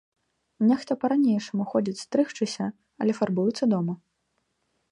Нехта па-ранейшаму ходзіць стрыгчыся, але фарбуецца дома.